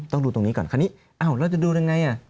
ต้องดูตรงนี้ก่อนคราวนี้อ้าวเราจะดูยังไง